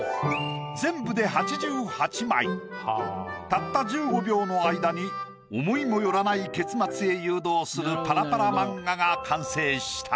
たった１５秒の間に思いも寄らない結末へ誘導するパラパラ漫画が完成した。